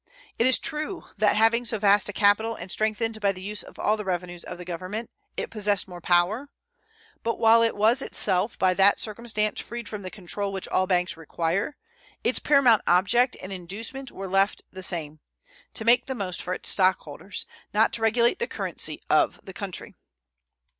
It is true that, having so vast a capital and strengthened by the use of all the revenues of the Government, it possessed more power; but while it was itself by that circumstance freed from the control which all banks require, its paramount object and inducement were left the same to make the most for its stockholders, not to regulate the currency of the country.